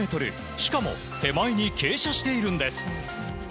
しかも手前に傾斜しているんです。